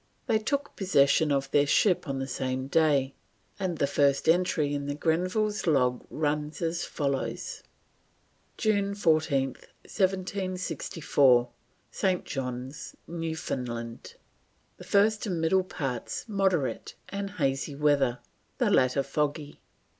They took possession of their ship on the same day, and the first entry in the Grenville's log runs as follows: "June 14th, 1764, St. John's, Newfoundland. The first and middle parts moderate and hazy Weather, the Later foggy.